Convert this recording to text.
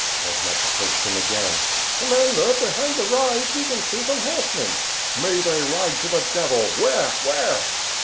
Kosmach approached him again: "Commander, behind the rise, we can see some horsemen." "May they ride to the devil! Where? Where?"